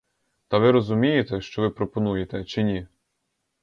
Та ви розумієте, що ви пропонуєте, чи ні?